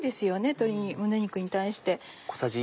鶏胸肉に対して。